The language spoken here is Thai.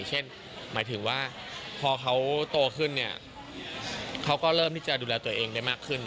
หมายถึงว่าพอเขาโตขึ้นเนี่ยเขาก็เริ่มที่จะดูแลตัวเองได้มากขึ้น